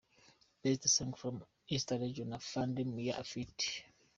Best Song from Eastern Region Afande Miah Ft.